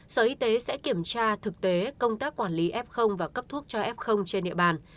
sở y tế sẽ kiểm tra thực tế công tác quản lý f và cấp thuốc cho f trên địa bàn